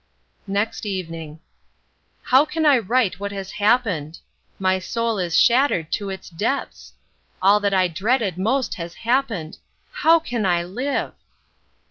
Next Evening. How can I write what has happened! My soul is shattered to its depths. All that I dreaded most has happened. How can I live!